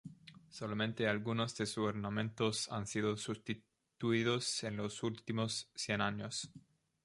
Solamente algunos de sus ornamentos han sido sustituidos en los últimos cien años.